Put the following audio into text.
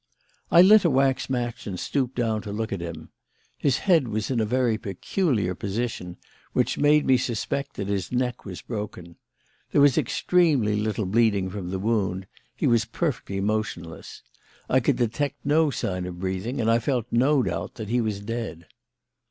"I lit a wax match and stooped down to look at him. His head was in a very peculiar position, which made me suspect that his neck was broken. There was extremely little bleeding from the wound; he was perfectly motionless; I could detect no sign of breathing; and I felt no doubt that he was dead.